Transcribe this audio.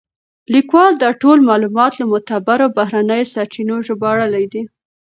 لیکوال دا ټول معلومات له معتبرو بهرنیو سرچینو ژباړلي دي.